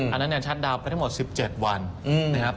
อันนั้นเนี่ยชัดดาวน์ไปทั้งหมด๑๗วันนะครับ